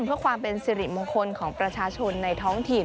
เพื่อความเป็นสิริมงคลของประชาชนในท้องถิ่น